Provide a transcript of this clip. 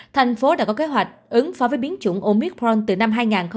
tp hcm đã có kế hoạch ứng phó với biến chủng omicron từ năm hai nghìn hai mươi một